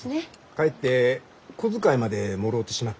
かえって小遣いまでもろうてしまってのう。